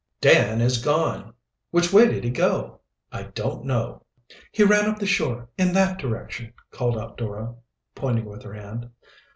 "Dan is gone!" "Which way did he go?" "I don't know." "He ran up the shore, in that direction!" called out Dora, pointing with her hand.